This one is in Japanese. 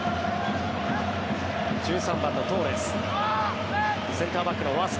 １３番のトーレス。